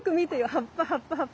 葉っぱ葉っぱ葉っぱ。